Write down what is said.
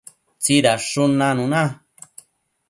tsidadshun nanuna